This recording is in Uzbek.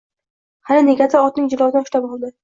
Hali negadir otning jilovidan ushlab oldi